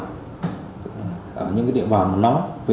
những địa bàn nó chúng tôi cũng tăng cường công tác nắm tình hình địa bàn